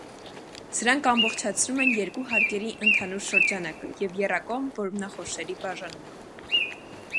Սրանք ամբողջացնում են երկու հարկերի ընդհանուր շրջանակը և եռակողմ որմնախորշերի բաժանումը։